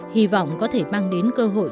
hy vọng có thể mang đến cơ hội